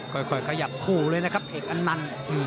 ค่อยขยับคู่เลยนะครับเอกอันนันต์